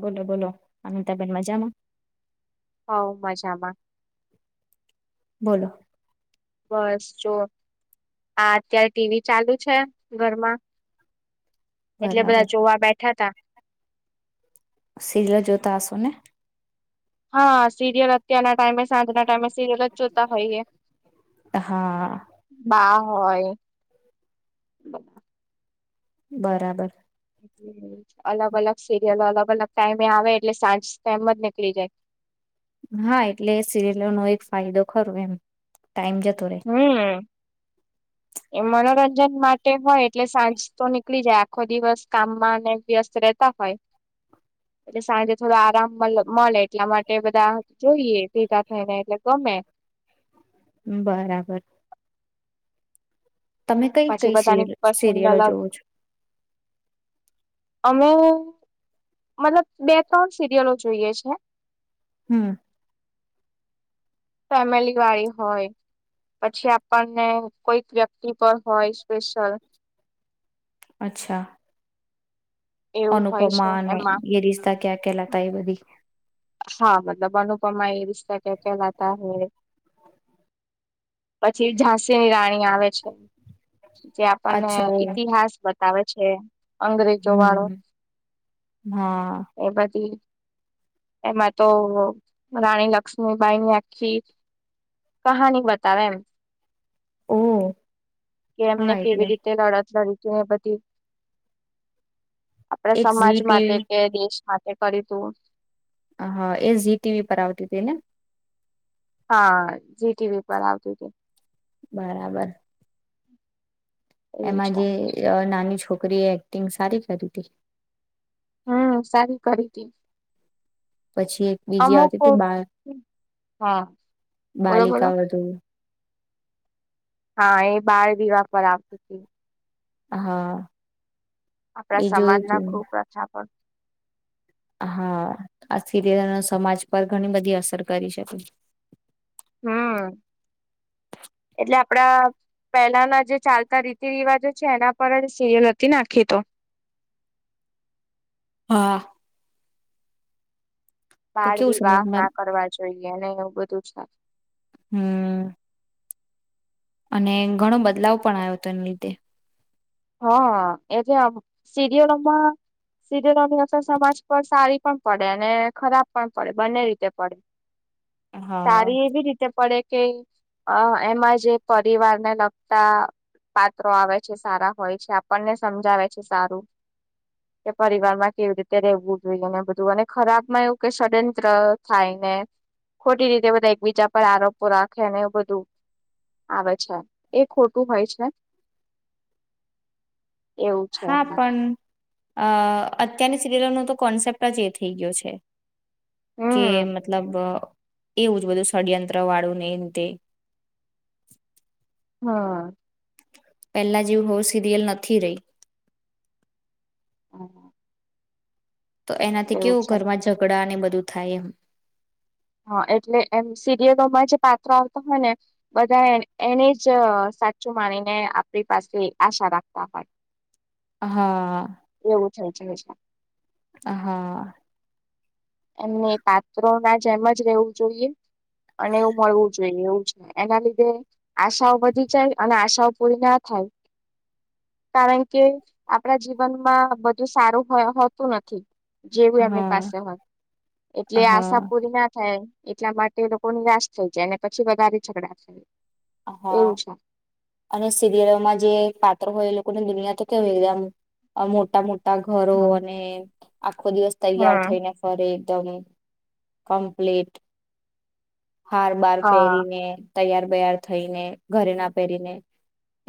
બોલો બોલો અમીતાબેન મજામાં હોવ મજામાં બોલો બસ જો આ અત્યારે ટીવી ચાલુ છે ઘરમાં એટલે બધા બરાબર જોવા બેઠા તા [unintelligible] જોતા આસોને હા સીરીયલ ત્યાંના ટાઈમે સાંજ ના ટાઈમે સીરીયલ જ જોતા હોઈએ હા બા હોય બરાબર અલગ અલગ સિરિયલ અલગ અલગ ટાઈમે આવે એટલે સાંજ ટાઈમ જ નીકળી જાય હા એટલે સિરિયલો નો એક ફાયદો ખરો એમ ટાઈમ જતો રે હમ એ મનોરંજન માટે ટે હોય એટલે સાંજ તો નીકળી જાય આખો દિવસ કામમાં ને વ્યસ્ત રહેતા હોય એટલે સાંજે થોડો આરામ મલ મલે એટલા માટે બધા જોઈએ ભેગા થઈને એટલે ગમે બરાબર તમે કઈ પાછી કઈ બધાની સિરિયલ પસંદ સિરિયલો અલગ જોવો છો અમે મતલબ બે ત્રણ સિરિયલો જોઈએ છીએ. હમ ફેમિલી વાળી હોય પછી આપણને કોઈક વ્યક્તિ પર હોય સ્પેશિયલ અચ્છા એવું હોય છે અનુપમા અને એમાં યે રિશ્તા ક્યાં કેલાતા એ બધી હા મતલબ અનુપમા, યે રિસ્તા ક્યાં કેહલાતા હે, પછી ઝાંસી ની રાણી આવે છે. જે આપણને અચ્છા ઓ ઈતિહાસ બત બતાવે છે અંગ્રેજો વાળો હમ હા એ બધી એમાં તો રાણી લક્ષ્મીબાઈની આખી કહાની બતાવે એમ ઓહ! કે એમને કેવી રીતે લડત લડી કે પતી આપણા એક સમાજ ઝી માટે ટીવી કે દેશ માટે એ કરી તું હહ એ ઝી ટીવી પર આવતી તી ને. હા જી ટીવી પર આવતી તી. બરાબર. [inaudible] એવું એમાં છે જે અ નાની છોકરીએ એક્ટિંગ સારી કરીતી. હમ્મ સારી કરીતી. પછી એક બીજી આવતી તી બા હા બોલો બોલો બાલિકાવધુ. હા એ બાળ વિવાહ પર આવતી તી. હા. આપણા એ જોયું સમાજના તું કુપ્રથા પર હા આ સિરિયલનો સમાજ પર ઘણી બધી અસર કરી છે. હમ્મ. એટલે આપડા પહેલાના જે ચાલતા રીતિ-રિવાજો છે એના પર જ સીરીયલ હતી ને આખી તો. હા. તો બાળ કેવું વિવાહ સમજમાં ના કરવા જોઈએ અને એવું બધું. [inaudible] હમ્મ. અને ઘણો બદલાવ પણ આયો તો એને લીધે. હા એ જે આપ સીરિયલોમાં સીરિયલોની અસર સમાજ પર સારી પણ પડે અને ખરાબ પણ પડે બંને રીતે પડે. હા સારી એવી રીતે પડે કે અ એમાં જે પરિવાર ને લગતા પાત્રો આવે છે સારા હોય છે આપણને સમજાવે છે સારું કે પરિવારમાં કેવી રીતે રેવું જોઈએ અને બધું અને ખરાબ માં એવું કે ષડયંત્ર થાયને ખોટી રીતે બધા એકબીજા પર આરોપો રાખેને એવું બધું આવે છે એ ખોટું હોય છે. એવું છે હા એમા. પણ અ અત્યારની સિરિયલનો તો કોન્સેપ્ટ જ એ થઈ ગયો છે. કે હમ મતલબ એવું જ બધું ષડયંત્ર વાળુંને એ ને તે. હા. પહેલા જેવું હો સિરિયલ નથી રહી. હમ્મ. તો એનાથી કેવું ઘરમાં ઝઘડા ને બધું થાય એમ. હા એટલે એમ સિરિયલોમાં જે પાત્ર આવતા હોય ને બધા એને જ સાચું માનીને આપણી પાસે આશા રાખતા હોય. હા. જય જય કૃષ્ણ. હ હા. એમને પાત્રો ના જેમ જ રહેેવું જોઈએ. અને એવું મળવું જોઈએ એવું. એના લીધે આશાઓ વધી જાય અને આશાઓ પૂરી ના થાય, કારણ કે આપણા જીવનમાં બધું સારું હોતું નથી. જેવું એમની હા પાસે હોય. એટલે આશા હા. પૂરી ના થાય. એટલા માટે લોકો ની રાશ થઈ જાય અનેને પછી વધારે ઝગડા છે. હા, અને સિરિયલમાં જે પાત્ર હોય પને દુનિયા ત કે વેખ મોટા મોટા ઘરો હમ અને આખો દિવસ તૈયાર થઈને ફરે. એકમ કમપ્લીટ. હાર બાર હા પહેરીને. તૈયાર બૈાર થઈને ઘરે ના પહેરીને.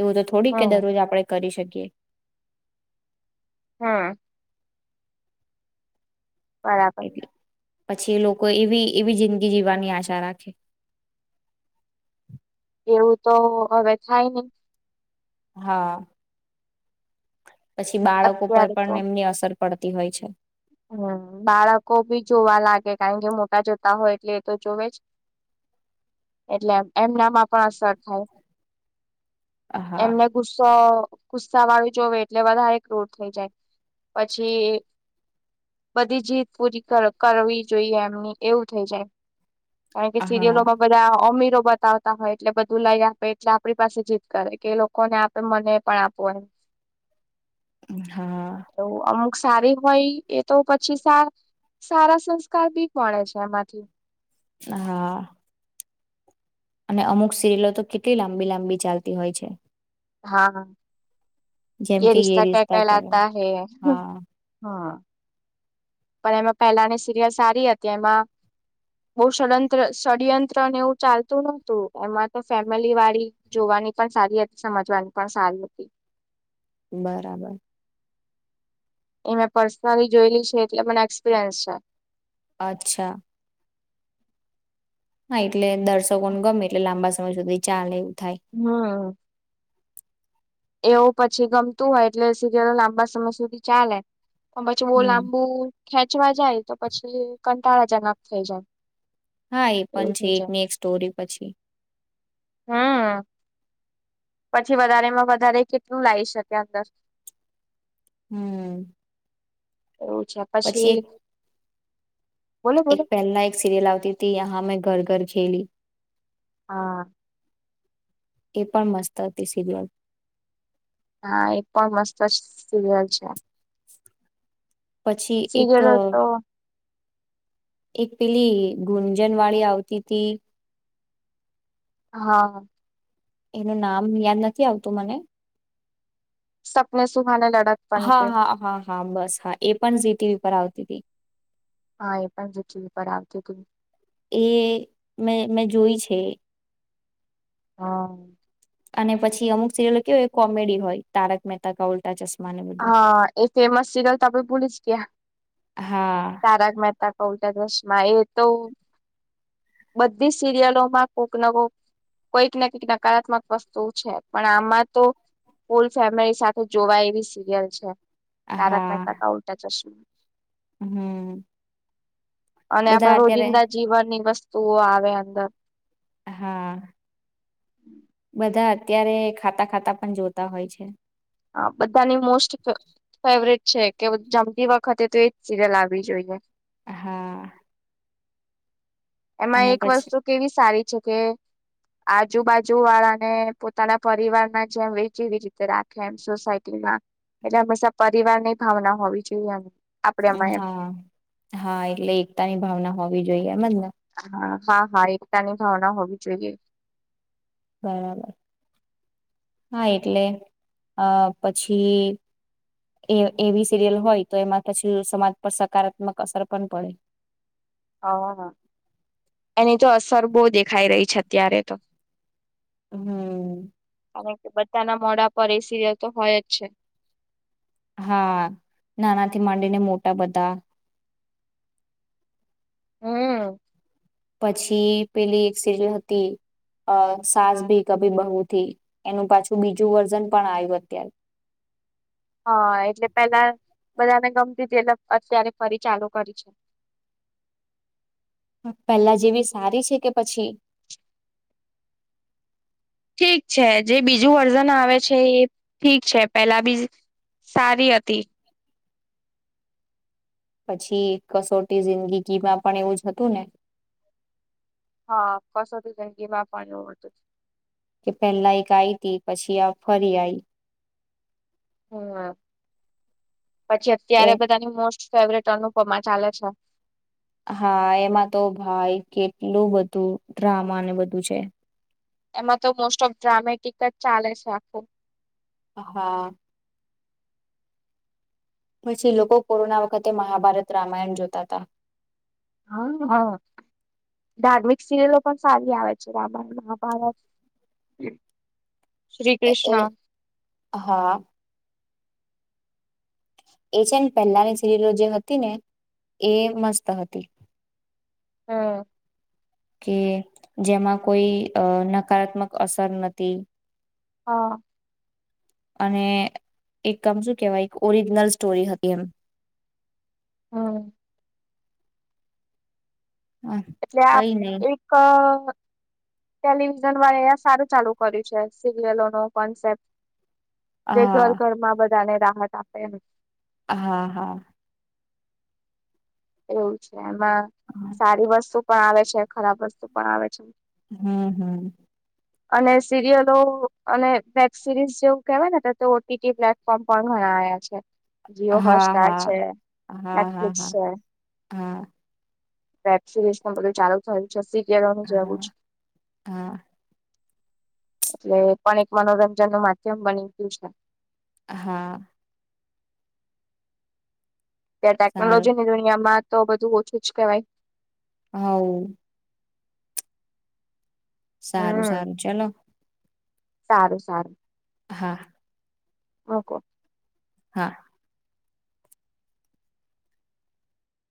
એવું તો થોડીક કે હમ દરરોજ આપડણે કરી શકીએ. શકીએ. હા. બરાબર. એટલે પછી એ લોકો એવી એવી જિંદગી જીવવાની આશા રાખે એવું તો હવે થાય નહી. હા. પછી બાળકો પર અત્યારે તો પણ એમની અસર પડતી હોય છે. હમ બાળકો ભી જોવા લાગે કારણ કે મોટા જોતા હોય એટલે એ તો જોવે, એટલે એમના માં પણ અસર થાય. હા એમને ગુસ્સો ગુસ્સા વાળી જોવે એટલે વધારે ક્રૂર થઈ જાય, પછી બધી જીત પૂરી કરવી જોઈએ એમની એવું થઈ જાય. કારણ કે હા. સિરિયલોમાં બધા અમીરો બતાવતા હોય એટલે બધું લઈ આપે એટલે આપણી પાસે જીત કરે કે એ લોકોને આપે મને પણ આપું એ. હા. સારી હોય એ તો પછી સારા સંસ્કાર બી મળે છે એમાંથી. હા. અને અમુક સિરિલો તો કેટલી લાંબી લાંબી ચાલતી હોય છે. હા. જેમ એ કે યે રિશ્તા ક્યા ક્યા કહેવાય લતા હૈ, હા હા. પણ એમાં પહેલાની સિરિયલ સારી હતી એમાં બવ ષડંત્ર ષડયંત્ર એવું ચાલતું નતું એમાં તો ફેમિલી વાળી જોવાની પણ સારી હતી, સમજવાની પણ સારી હતી. બરાબર. એ મેં પર્સનલી જોયલી છે એટલે મને એક્સપિરિયન્સ છે. અચ્છા. હા એટ લે દર્શકો નો ગમે એટલે લાંબા સમય સુધી ચાલે. થાય હમ્મ. એવું પછી ગમતું હોય એટલે સીરયલ લાંબા સમય સુધી ચાલે. ક પછી બો હમ લાંબુ ખેંચવા જાય તો પછી કંટાળા જનક થઈ જાય. હા એ પણ એવું છે થઈ એકની એક સ્ટોરી પછી. હમ્મ, પછી વધારેમાં વધારે કેટલું લાવી શકે અંદર. હમ્મ. એવું છે પછી બોલો એક બોલો પેલા એક સિરિયલ આવતી તી હામે ઘર કર ખેલી. હા. એ પણ મસ્ત હતી સીરિયલ. હા એ પણ મસ્ત જ સિરિયલ છે. પછી એક અ સિરિયલો તો એક પેલી ગુંજન વાળી આવતી તી. હા. એનું નામ યાદ નથી આવતું મને. શકમે સુખ હા હા હા હા બસ હા એ પણ સીટીવી ઉપર આવ તી તી. હા એ પણ જી ટી વી પર આવતી તી. એ મે મેં જોય છે એ. હા. અને પછી અમુક સિરિલો કેવી કોમેડી હોય તારક મહેતા કા ઉલ્ટા ચશ્ હા એ ફેમસ સિરિયલ તો આપ ભૂલી જ ગયા હા તારક મહેતા કા ઉલ્ ટા ચશ્મા એ તો બધી સિરિયલોમાં કોક ને કોક કઈક ને કઈક નકારાત્મક વસ્તુ છે પણ આમાં તો ફૂલ ફેમિલી સાથે જોવાય એવી સી યલ છે. તારક મહેતા કા ઉલટા ચશ્મા. હમ્મ. અને આપડા રોજિંદા જીવન ની વસ્ તુ આવે અંદર હા. [inaudible] બધા અત્યારે ખાતા-ખાતા પણ જોતા હોય છે. હા, બધાની મોસ્ટ ફ ફેવરેટ છે કે જમતી વખતે તો એજ સિરિયલ આવી જોઈએ હા એમાં અને એક પછી વસ્તુ કેવી સારી છે કે આજુબાજુ વાળાને પોતાના પરિવારના જેમ એવી એવી જ રીતે રાખે એમ સોસાયટીમાં એટલે હંમેશા પરિવારની ભાવના હોવી જોઈએ એમ આપડે એમાં એમ હા, હા, એટલે એકતાની ભાવના હોવી જોઈએ એમજ ને હા, હા, હા એકતાની ભાવના હોવી જોઈએ બરાબર. હા એટલે અ પછી એ એવી સિરિયલ હોય તો એમાં પછી સમાજ પર સકારાત્મક અસર પણ પડે. હ એની તો અસર બઉ દેખાઈ રહી છે અત્યારે તો. હમ અને બધાના મોઢા પર એ સિરિયલ તો હોય જ છે. હા નાના થી માંડીને મોટા બધા હમ પછી પેલી એક સિરિલ હતી. અ સાસ ભી કભી બહુથી એનું પાછું બીજું વર્ઝન પણ આયું અત્યારે હા એટલે પેલા બધાને ગમતી તી અત્યારે ફરી ચાલુ કરી છે. પહેલા જેવી સારી છે કે પછી ઠીક છે. જે બીજું વર્ઝન આવે છે એ ઠીક છે. પેલા બી સારી હતી પછી કસોટી જિંદગીમાં પણ એવું જ હતું ને હા, કસોટી જિંદગીમાં પણ એવુ હતું જ. કે પહેલા એક આઈ તી પછી આ ફરી આઈ [unintelligible] પછી તો એ અત્યારે બધાની મોસ્ટ ફેવરેટ અનુપમાં ચાલે છે. હા, એમાં તો ભાઈ કેટલું બધું ડ્રામાને બધું છે. એમાં તો મોસ્ટ ઓફ ડ્રામેટિક જ ચાલે છે આખુ. હા પછી લોકો કોરોના વખતે મહાભારત-રામાયણ જોતા તા હ હ. ધાર્મિક સિરિયલો પણ સારી આવે છે. રામાયણ મહાભારત. [inaudible] એ કૃષ્ણ એ હા. એ છે ને પહેલાની સિરિયલો જે હતી ને એ મસ્ત હતી. હન કે જેમાં કોઈ અ નકારાત્મક અસર નતી. હા અને એક અમ શું કેવાય એક ઓરિજનલ સ્ટોરી હતી એમ. હમ એટલે આ કઈ નહી એક ટેલિવિઝન વાળાએ આ સારું ચાલુ કર્યું છે સિરિયલો ન કોન્સેપ્ટ જે હા ઘર-ઘરમાં બધા જાને રાહત આપે. હા હા. એવું છે. એમાં સારી વસ્તુ. પણ આવે છે ખરાબ વસ્તુ પણ આવે છે. હમ હમ. અને સિરિયલો અને વેબ સિરીઝ જેવું કેહેવાય ને ઓ પ્લેટફોર્મ પણ ઘણા આવ્યા છે. જીઓ હા હોટસ્ટાર હા છે હા હા નેટફ્લિક્સ હા છે. [inaudible] વેબ સિરીઝમાં બધું ચાલુ થયેું છે. કળનું જાગું છ. હા હા એટલે એ પણ એક મનોરંજન નું માધ્યમ બની ગયું છે. હા. ત્યાં સારું ટેકનોલોજી ની દુનિયામાં. તો બધું ઓછું જ કેહેવાય. હા. સારું હમ સારું ચલો. સારું સારું. હા. હ કો. હા.